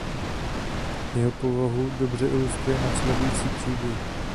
Jeho povahu dobře ilustruje následující příběh.